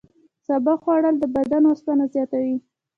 سابه خوړل د بدن اوسپنه زیاتوي.